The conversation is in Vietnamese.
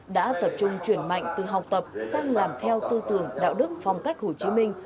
đã tập trung chuyển mạnh từ học tập sang làm theo tư tưởng đạo đức phong cách hồ chí minh